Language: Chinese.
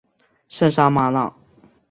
圣沙马朗。